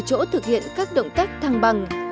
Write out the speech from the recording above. từ chỗ thực hiện các động tác thăng bằng